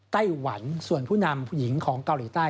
ไต้หวันส่วนผู้นำผู้หญิงของเกาหลีใต้